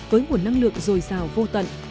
với nguồn năng lượng dồi dào vô tận